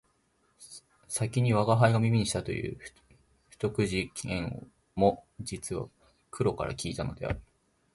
先に吾輩が耳にしたという不徳事件も実は黒から聞いたのである